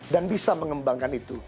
dan bisa mengembangkan itu